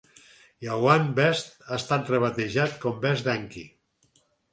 Yaohan Best ha estat rebatejat com Best Denki.